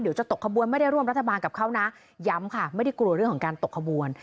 จะตกขบวนไม่ได้ร่วมรัฐบาลกับเขานะย้ำค่ะไม่ได้กลัวเรื่องของการตกขบวน